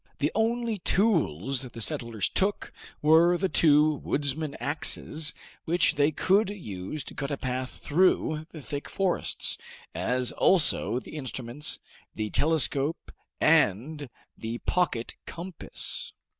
The only tools the settlers took were the two woodmen's axes, which they could use to cut a path through the thick forests, as also the instruments, the telescope and pocket compass.